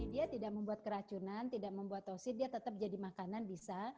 dia tidak membuat keracunan tidak membuat tosit dia tetap jadi makanan bisa